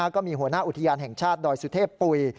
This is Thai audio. ก็มีหัวหน้าอุทยานแห่งชาติดอยสุเทพปุ๋ย